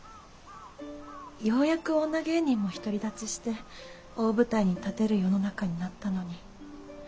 ようやく女芸人も独り立ちして大舞台に立てる世の中になったのに。